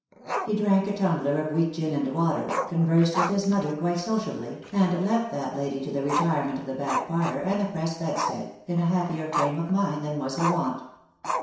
He drank a tumbler of weak gin and water, conversed with his mother quite sociably, and left that lady to the retire ment of the back parlour and the press bedstead, in a happier frame of mind than was her wont.